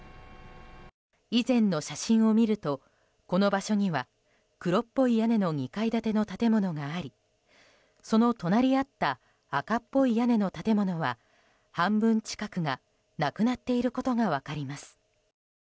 以前の写真を見るとこの場所には黒っぽい屋根の２階建ての建物がありその隣り合った赤っぽい屋根の建物は半分近くがなくなっていることが分かります。